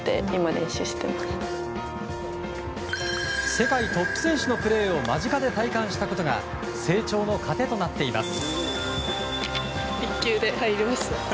世界トップ選手のプレーを間近で体感したことが成長の糧となっています。